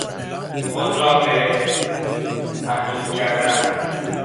خود را به... محدود کردن